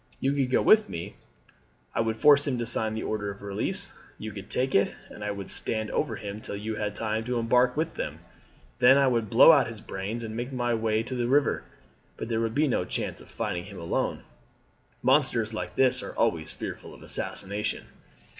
You could go with me; I would force him to sign the order of release; you could take it; and I would stand over him till you had time to embark with them; then I would blow out his brains and make my way down to the river. But there would be no chance of finding him alone. Monsters like this are always fearful of assassination."